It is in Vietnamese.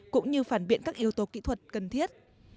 cũng như phản biện các yếu tố kỹ thuật cần thiết